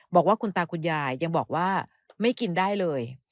บอกว่าคุณตาคุณยายยังบอกว่าไม่กินได้เลย